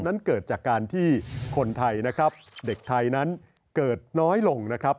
นั้นเกิดจากการที่คนไทยนะครับเด็กไทยนั้นเกิดน้อยลงนะครับ